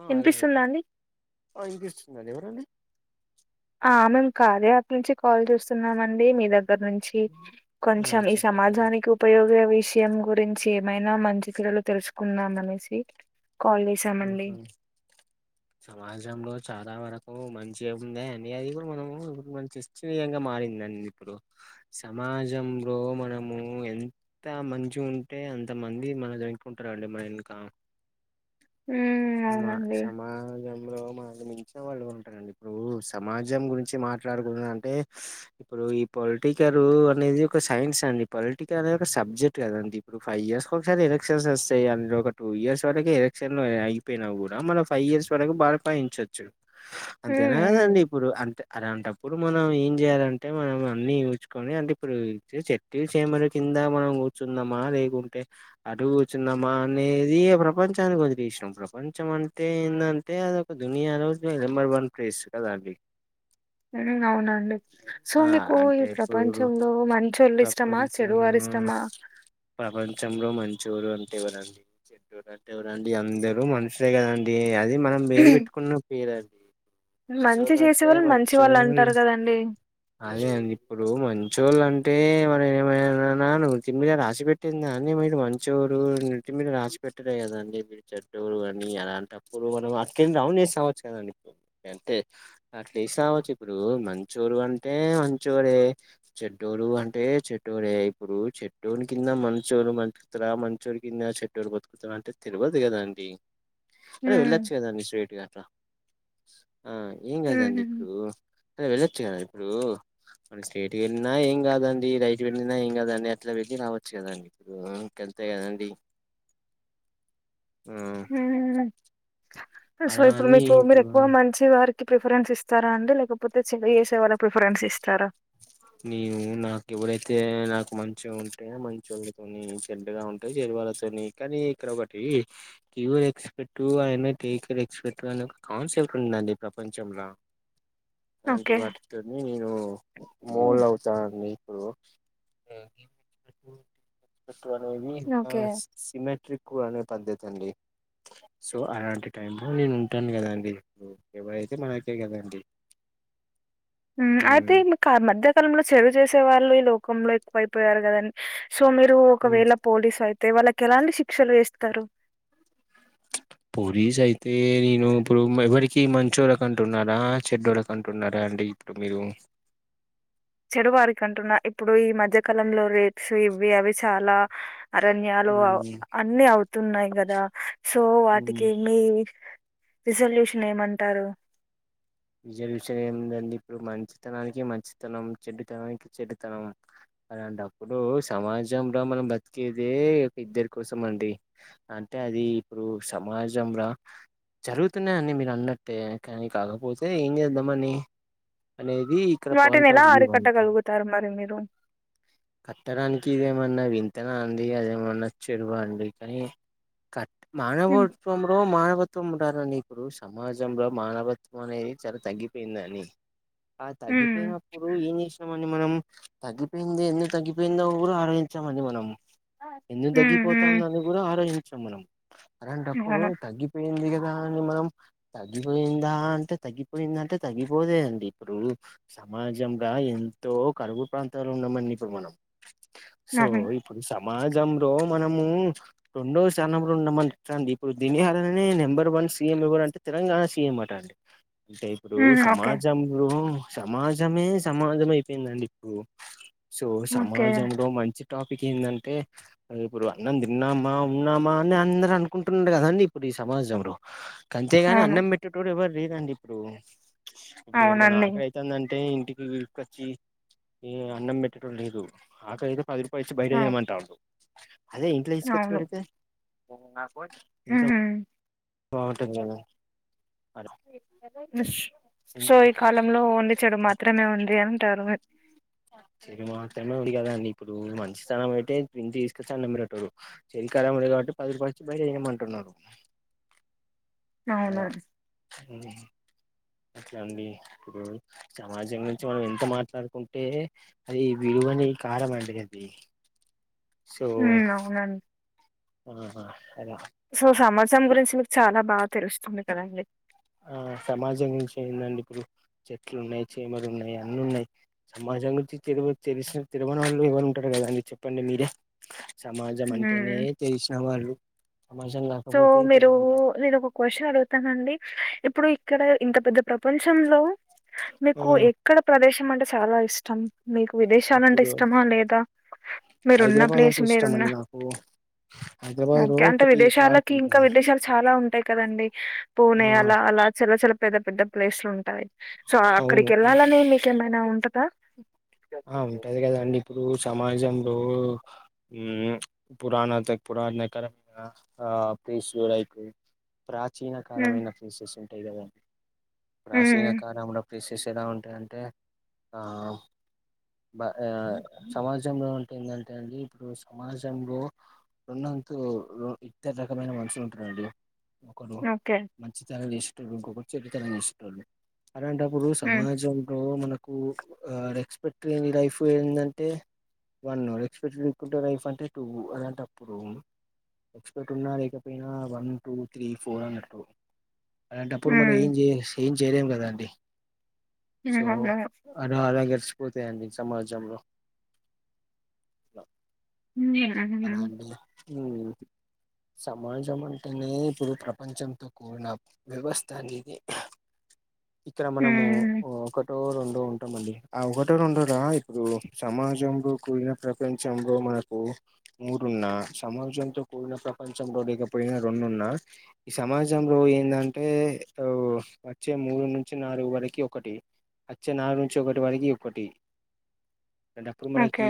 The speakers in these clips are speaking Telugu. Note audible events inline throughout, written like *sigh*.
ఆ అదే వినిపిస్తుందా అండి ఇంక ఇస్తుందండి ఎవరండి ఆ మేము కార్య యాప్ నుంచి కాల్ చేూస్తున్నాంమండి మీ దగ్గర ద్గ నుంచి ఆ కొంచెం ఈ చెప్పారండి సమాజానికి ఉపయోగ విషయం గు గురించి ఏమైనా మంచి చేడులు తెలుసుుకున్నాం అనేసి కాల్ చేసామండి సమాజంలో చాలా వరకు ఓ మంచిగాముంది అని అది కూడా మనము ఇప్పు మన చనీయంగా మారిందండి ఇప్పుడు స సమాజంలో మనము ఎంత మంచి ఉంటే అంత మంది మన దగ్గర ఉంటారు అండి ఇంకా ఉమ్ అవునండి సమాజంలో మించిన వాళ్ళు ఉంటారండి ఇప్పుడు సమాజం గురించి మాట్లాడుకు అంటే ఇప్పుడు ఇపో పొలిటికల్ అనేది ఒక సైన్స్ అండి పొలిటికల్ అనేది ఒక సబ్జెక్ట్ కదండి ఇప్పుడు ఫైవ్ ఇయర్స్ ఒకసారి ఎలక్ష ఎలక్షన్స్ వస్తాయి ఒక టూ ఇయర్స్ వరకుర్ ఎలక్షన్ చెయిినా కూడా మన ఫైవ్ ఇయర్స్ వరకు బాగా ఫయించచ్చు ఉమ్ అంతేనా కదండి ఉమ్ ఇప్పుడు అంతే అలా అంటప్పుడు ఇప్పుడు మనం ఏం చెయాలంటే మనం అన్ని చూసుుకొని అంటే ఇప్పుడు చెట్ చేమలు కింద మనం కూర్చున్నామా లేకుంటే అటు కూర్చున్నామా అనేది ప్రపంచానీకి వదిలేసినము ప్రపంచం అంటే ఏంటంటే అదొక దునియాలో నెంబర్ వన్ ప్లేస్ కదా అండి అవునండి సో ఆ మీకు ఈ అంటే ఇప్పుడు ప్రపంచంలో మంచోళ్ళు ఇష్టమా ప్రపంచం చెడువారి ఇష్టమా మా ప్రపంచంలో మం చోలు అంటే ఎవరండి చుట్టూరు అంటే ఎవరండి అందరుూ మనుషులే కదండి అ అది మనం వేరు పెట్టుకున్న పేరు అది మంచి చేసే వాళ్ళు మంచి వాళ్ళు అంటారు కదండి అదే అండి ఇప్పుడు మంచోళ్ళు అంటే మనం ఏమ నృతిమ్మిడి రాసి పెెట్టిందా అని మీరు మంచూరు నర్ తమ్మిడి రాసి పెెట్టడే కదాండి విచ ఎవిరి వన్ నీ అలాంటప్పుడు మనం అతికింద ఉన్నెస్ *unintelligible* ఇపుడు మంచూరు అంటే మంచోరే చెడ్డోరు అంటే చెడోరే ఇప్పుడు చెట్ డోన్ కింద మంచోరు మతుకుతర మంచోరు కింద చెడ్డోరు బతుకుతార అంటే తిరువదు కదా అండి అరే వెళ్ళొచ్చు ఉమ్ కదండి స్ట్రెయిట్ గట్ల ఆ ఏం ఉమ్ కదండి ఇప్పుడు అయినా వెళ్ళొచ్చు కదా ఇప్పుడు మన స్ట్రేట్ వెళ్ళినా ఏం కాదండి రైట్ వెళ్ళినా ఏం కాదండి అట్లా వెళ్ళి రావచ్చు కదండి ఇప్పుడు ఇక్ అంతే కదండి ఆ ఉమ్ ఉమ్. సో అలా ఇప్పుడు అని మీకు మీరు ఇప్పుడు ఎక్కువ మంచి వారికి ప్రిఫరెన్స్ ఇస్తారా అండి లేకపోతే చెడు చేేసే వాళ్ళకి ప్రిఫరెన్స్ ఇస్తారా నీవు నాకువడైతే నాకు మంచిగా ఉంటాయ మంచోడితోని చెడ్డగా ఉంటే చె వాళతోని కానీ ఇక్కడ ఒకటి క్యూర్ ఎక్స్ పెట్టు ఆయన టేకర్ ఎక్స్ పెట్టు అని ఒక కాన్సెప్ట్ ఉందండి ప్రపంచంల అలాంటి ఓకే వాటితోని నేను హ్మ్. మోల్ అవుతాన్ నే ఇపుడు టు అనేది ఆ ఓకే సిమెట్రికు అనే పద్ధతి అండి సో అలాంటి టైం లో నేను ఉంటాను కదండి ఇపుడు ఎవరైతే మనకే కదండి ఊ ఉమ్. అయితే ఈమ కార్ మధ్యకాలంలో సేవ చేసే వాళ్లే ఈ లోకంలో ఎక్కువైపోయారు కదని సో మీరు ఉమ్. ఒకవేళ పోలీసు అయితే వాళ్ళకి ఎలాంటి శిక్షలు వేస్తారు పోలీస్ అయితే నేను ఇప్పుడు ఎవరికి మంచోరకంటున్నారా చెడోరకుంటున్నారా అండి ఇప్పుడు మీరు చెడు వారిక అంటున్నా ఇప్పుడు ఈ మధ్యకాలంలో రేట్స్ ఇవి అవి చాలా అరణ్యాలు అన్ని అవుతున్నాయి కదా సో వాటికి మీ రిసల్యూషన్ ఏమంటారు రిసెల్యూషన్ విషయం ఏముందండి ఇప్పుడు మంచితనానికి మంచితనం చెడ్డుతనానికి చెడ్డుతనం అలాంటే అప్పుడు సమాజంల మనం బతికేది ఒక ఇద్దరి కోసం అండి అంటే అది ఇప్పుడు సమాజంల జరుగుతున్నాయి అని మీరు అన్నట్టే కానీ కాకపోతే ఏ ఏంజెద్దమనీ వాటిని ఎలా ఆరికట్ట కలుగుతారు మరి మీరు కట్టడానికి ఇదేమన్నా వింతన అండి అదేమన్నా చెరువు అండి కానీ కట్ హ్మ్ మానవత్వంలో మానవత్వం టారని ఇప్పుడు సమాజంలో మానవత్వం అనేది చాలా తగ్గిపోయిందని ఆ హ్మ్ తగ్గిపోయినప్పుడు ఏం చేసినామండీ మనం తగ్గిపోయింది ఏంది తగ్గిపోయింద కూడా ఆలోచించామ అండి మనం ఎందు ఉమ్ తగ్గిపోతాంద ఉమ్ అని కూడా ఆరోచించాం మనం అలాంటప్పుడు అవును తగ్గిపోయింది గద దాని మనం తగ్గిపోయిందా అంటే తగ్గిపోయిందా అంటే తగ్గిపోలేదండి ఇప్పుడు సమాజంగా ఎంతో కరువు ప్రాంతాలు ఉన్నామండి ఇప్పుడు మనం సో అవును ఇప్పుడు మా జ్ర మనము రెండో స్థానం రండమని చెండి ఇప్పుడు దనిహారనే నెంబర్ వన్ సీఎం ఎవరుంటే తెలంగాణ సీఎం అట అండి అంటే ఇప్పుడు ఉమ్ ఓకే సమాజంలో సమాజమే సమాజం అయిపోయిందండి ఇప్పుడు సో ఓకే సమాజంలో మంచి టాపిక్ ఏంటంటే ఇప్పుడు అన్నం తిన్నామా ఉన్నామా అని అందరు అనుకుంటున్నారు కదండి ఇప్పుడు ఇది సమాజం బ్రో అంతేగాని అవును అన్నం పెట్టేటోడు ఎవరు లేదండి ఇప్పుడు ఇప్పుడు ఎవరికన్నా అవునండి ఆకలి అతుందంటే టిపి కచ్చి అన్నం పెట్టెటోడ లేడు ఆకయితే పది పైస్ బయట ఏ ఉమ్, మంటావ్ బ్రో అదే ఇంట్ల తీసుకచ్చి అవును పెడితే తింటాం ఉమ్ బగుటంద సో ఈ కాలంలో ఉండి చెడు మాత్రమే ఉంది అంటారు సర మాకు స్మ ఇడి కదాండి ఇప్పుడు మంచి స్థానం అయితేంచి తీసుకొస్తాం నంమరటడు ఈ కరముంది కాబట్టి పదురు పచ్చి బయలుేయమంటున్నారు అవును అ అట్లా అండి ఇప్పుడు సమాజం నుంచి మనం ఎంత మాట్లాడుకుంటే అది వీరు కార మడింది ఉ అవునండి ఆ సో సంవసరం గురించి మీకు చాలా బాగా తెలుస్తుంది కదండి ఆ సమాజం గురించి అయిందండి ఇప్పుడు చెట్లు ఉన్నాయి చీమరు ఉన్నాయి అన్న ఉన్నాయి సమాజ జం గురించి తెరు తెసిన తిరుమణ వాళ్ళు ఎవరు ఉంటారు కదా అండి చెప్పండి మీరే సమాజం అంటేనే ఉమ్ తెలిసిన వాళ్ళు సమాజం సో కాకపోతే మీరు తెలియని వాళ్ళు. నేను ఒక క్వశ్చన్ అడుగుతానండి ఇప్పుడు ఇక్కడ ఇంత పెద్ద ప్రపంచంలో మీకు ఎక్కడ ప్రదేశం అంటే చాలా ఇష్టం మీకు విదేశాలంటే ఇప్పుడు ఇష్టమా లేదా మీరున్న హైదరాబాద్ ప్లేస్ అంటే ఇష్టం మీరున్న అండి నాకు హైదరాబాద్ లో ఓకే అంటే ఒకటి విదేశాల పార్క్ ఇంకా ఉంటుంది విదేశాలు చాలా ఉంటాయి కదండి ఆ పూనే అలా అలా చాలా పెద్ద పెద్ద ప్లేస్లు ఉంటాయి సో అక్కడికి అవును వెళ్ళాలని మీకేమైనా ఉంటదా ఆ ఉంటది కదాండి ఇప్పుడు సమాజంలో పురాణ త పురాణ నకరమ పేశూయిపో ప్రాచీన హ్మ్. కాలమైన ఫసెస్ ఉంటావ ప్రాచీన హ్మ్. కాలంంలో ఫీషెస్ ఎలా ఉంటాయ అంటే బ సమాజంలో ఉంటుంటంటే అండి ఇప్పుడు సమాజంలో రెన్నతు ఇద్దర రకమైన మనుషులు ఉంటారండి ఒకరు ఓకే. మంచి తరం ఇష్టోడు ఇంకొకరు చెట్టుతరలి ఇష్టోలు అలాంటప్పుడు హ్మ్. సమాజంలో మనకు ఆ ఎక్స్పెక్ట్ చేడి లైఫ్ ఏంటంటే వన్ అవర్ ఎక్స్పెక్టెడ్కుంటే రైఫ్ అంటే టూ అలాంట అప్పుడు ఎక్స్పట్ ఉన్నా లేకపోయినా వన్ టూ త్రీ ఫోర్ అన్నట్టు అలాంటే అప్పుడు మనం హ్మ్. ఏం ఏం చేయలేం కదా అండి హ్మ్. సో అవును. అలా అలాగ పోతేయాండి స మజమలో హ్మ్. ఉ సమాజం అంటేనే ఇప్పుడు ప్రపంచంతో కూడిన వ్యవస్థ అనేది ఇక్కడ మనము హ్మ్. ఒకటో రెండో ఉంటామండి ఆ ఒక ఒకట్ట రెండడురా ఇప్పుడు సమాజంలో కూడిన ప్రపంచంలో మనకు మూడున్నా సమాజంతో కూడిన ప్రపంచంలో ర లేకపోడిన రెండున్నా ఈ సమాజంలో ఏంటంటే వచ్చే మూడు నుంచి నాలుగు వరకి ఒకటి వచ్చే నగు నుంచి ఒకటి వరకి ఒకటి అంటప్పుడు మనకి ఓకే.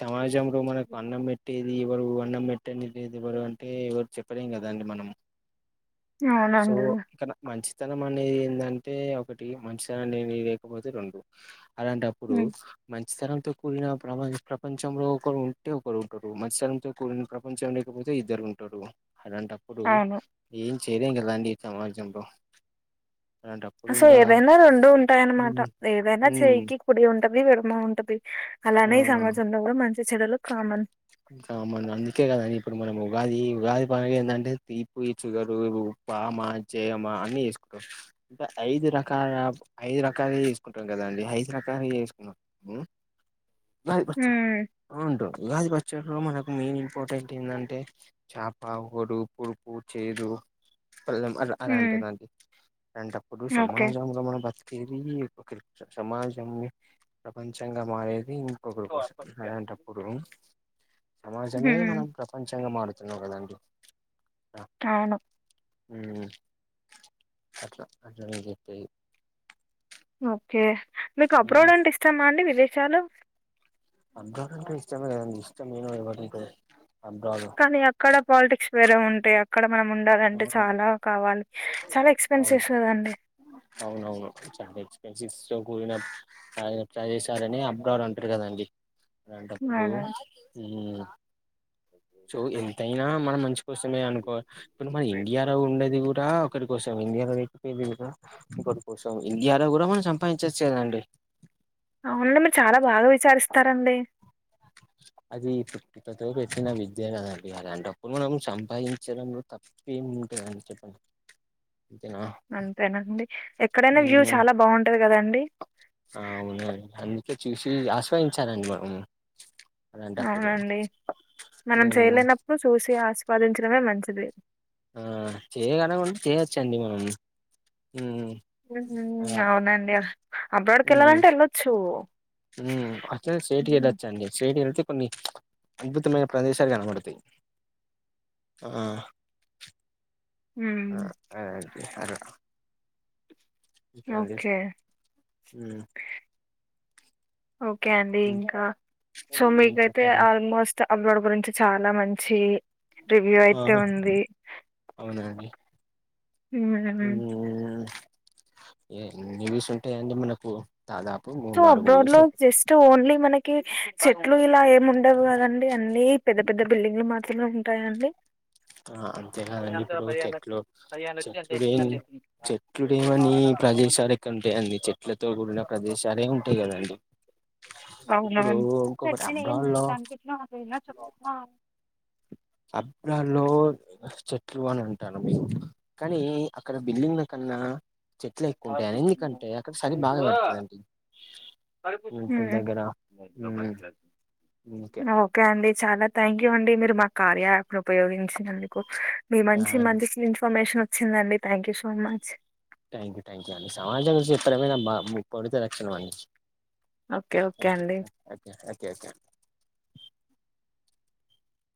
సమాజంలో మనకు అన్నం పెట్టే ఎవరు అన్నం పెట్టండి లేదు ఎవరు అంటే ఎవరు చెప్పలేం కదండి మనం సో అవునండి. ఇంకా మంచి స్తనం అనేది ఏంటంటే ఒకటి మంచితనం అనేది లేకపోతే రెండు అలాంటప్పుడు హ్మ్. మంచి స్ కూన ప్ర ప్రపంచంలో ఒక ఉంటే ఒక ఉంటరు మంచి స్ర కూ ప్రపంచంలో ఇద్దరు ఉంటారు అలాంటప్పుడు అవును. ఏం చేయలేం కదాండి ఈ సమాజంలో అ అలాంటప్పుడు సో ఇంకా ఏదైనా రొండు ఉంటాయన్నమాట ఉమ్ ఏదైనా ఉమ్ చేయికి కుడి ఉంటది విడమ ఉంటది అలానే ఈ ఆ సమాజంలో కూడా మంచి చెడులు కామన్ ఇంకా మనం అందుకే కదండి ఇప్పుడు మనం ఉగాది ఉగాది ప ఏంటంటే తీపు చుగరు పామా చేయమా అన్ని తీసుకుంటాం అంటే ఐదు రకాల ఐదు రకాలు తీసుకుంటాం కదా ండి ఐదు రక చేసుకున్నా హ్మ్. *unintelligible* ఫక్చర్లో మనకు మెయిన్ ఇంపార్టెంట్ ఏంటంటే చేప గడు పురుపు చేదు అలాంటి హ్మ్. అలాంటి అలాంటప్పుడు ఓకే. సమాజ మన బతకేది ఒక సమాజంన్ని ప్రపంచంగా మారేది ఒక్కొక్కరు క్వశ్చన్ అలాంటప్పుడు సమాజమే హ్మ్. మనం ప్రపంచంగా మారుతు కదడి అవును అట్లా అట్ చెప్పాయి ఓకే. మీకు అబార్డ్ అంటే ఇస్తామా అండి విదేశాలు అప్ బ్రాడ్ అంటే ఇష్టమ ఇష్టంను అంట కానీ అక్కడ పాలిటిక్స్ వేరే ఉంటాయి అక్కడ మనం ఉండాలింటే చాలా కావాలి చాలా అవును ఎక్స్‌పెన్సివ్స్ గదండీ! అవునవును చ ఎక్స్పెన్సస్ కూడిన చేసారని అప్డౌర్ అంటారు కదండి అలాంటప్పుడు అవును. సో ఎంతయినా మనం మంచి కోసమే అనుకోలి ఇప్పుడు మన ఇండియాలో ఉండేది కూడా ఒకక్కడి కోసం ఇంది ఇటి కోసం ఇరో కూడా మనం సంపాదించచ్చదండి అవున మీరు చాలా బాగా విచారిస్తారండి అది ఇప్పుడు ఇప్పతో పెట్న విద్య అనేండి అలాంటప్పుడు మనం సంపాదించడంలో తప్ప ఏ అంతే అండి చెప్పండి ఇనా అంతేనండి. ఎక్కడైనా వ్యూ చాలా బాగుంటది కదండి అవునండి అందుకే చూసి ఆశవాయించాలండి మన అవునండి మనం హ్మ్ చేయలేనప్పుడు చూసి ఆస్వాదించడమే మంచిది ఆ చేయగనకుండా చేయొచ్చండి మనల్ని అవునండి అబ్రాడ్కి వెళ్ళాలంటే వెళ్ళొచ్చు ఉ అచ్చ సేఠ వెద ఉమ్ వచ్చండి సేఠ కొన్ని అద్భుతమైన ప్రదేశాలు కనబడతాయి ఆహా ఉమ్, అ అగే అలా చది ఓకే ఓకే అండి ఇంకా సో హ్మ్ మీకైతే చెప్పండి ఆల్మోస్ట్ అబ్రాడ్ గురించి చాలా మంచి రివ్యూ అయితే ఆహా ఉంది అవునండి హు ఏవిస్ంటాయి అండి మనకు దాదాపు మూడు సో నాలుగు అబ్రోడ్ వ్యూస్ లో ఉంటాయి జస్ట్ ఓన్లీ మ చెట్లు ఇలా ఏమి ఉండవు కదండి అన్ని పెద్ద పెద్ద బిల్డింగ్లు మాత్రమే ఉంటాయండి ఆ అంతేలాదండి ఇప్పుడు చెట్లు చెట్లుడు ఏ చెట్లుడేమని ప్రదేశాలు ఎక్కడ ఉంటాయండి చెట్టు చెట్లతో కూడిన ప్రదేశాలే ఉంటాయి కదాండి. అవునా అబ్రాల్లో అబ్రాడ్ లో చెట్లు అని అంటాను కానీ అక్కడ బిల్డింగ్ కన్నా ఆ చెట్లు ఎక్కువ ఉంటాయిని ఎందుకంటే అక్కడ చలి బాగా పెడుతుందండి ఉ. ఓకే అండి చాలా థ్యాంక్ యూ అండి మీరు మా కార్య యాప్ ఉపయోగించినందుకు మీ మంచి మంచి ఇన్ఫర్మేషన్ వచ్చిందండి thank you so much thank you thank you అండి సమాజం గురించి చెప్పడమే నా పొడితే లక్షణం అండి ఓకే ఓకే అండి. Okay okay okay